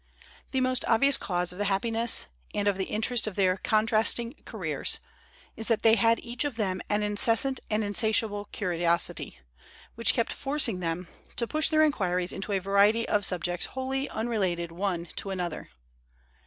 The most obvious cause of the happiness and of the interest of their contrasting careers, is that they had each of them an incessant and insatiable curiosity, which kept forcing them to push their inquiries into a variety of subjects wholly unrelated one to another.